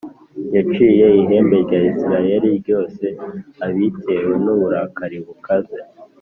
Yaciye ihembe rya Isirayeli ryose abitewe n’uburakari bukaze,